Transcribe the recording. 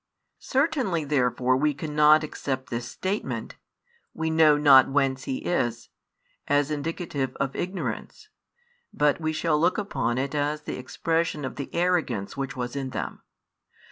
Certainly therefore we can not accept this statement: We know not whence He is, as indicative of ignorance, |45 but we shall look upon it as the expression of the arrogance which was in them.